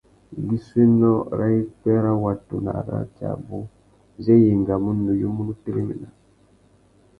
Igussénô râ ipwê râ watu na arratê abú zê i engamú nuyumú nu téréména.